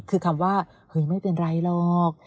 คือคำว่าเฮ้ยไม่เป็นไรหรอก